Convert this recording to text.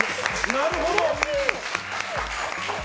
なるほど！